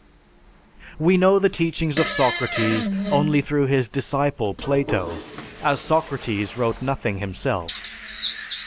"_) We know the teachings of Socrates only through his disciple Plato, as Socrates wrote nothing himself.